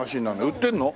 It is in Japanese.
売ってんの？